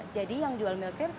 jadi yang jual milt krips